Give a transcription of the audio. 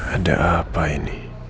ada apa ini